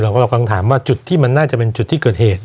เรากำลังถามว่าจุดที่มันน่าจะเป็นจุดที่เกิดเหตุ